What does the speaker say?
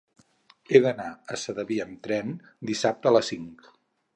He d'anar a Sedaví amb tren dissabte a les cinc.